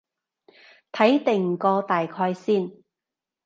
睇定個大概先